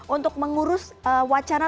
untuk mengurus wacana